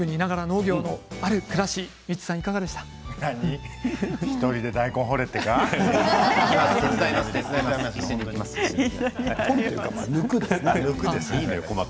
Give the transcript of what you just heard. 都市部にいながら農業のある暮らしミッツさん、いかがでしたか？